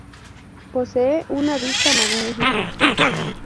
Posee una vista magnífica.